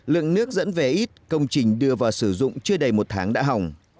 lượng nước dẫn về ít công trình đưa vào sử dụng chưa đầy một tháng đã hỏng